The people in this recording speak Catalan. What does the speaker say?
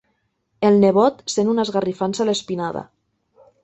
El nebot sent una esgarrifança a l'espinada.